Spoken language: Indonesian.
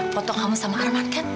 potong kamu sama arman kan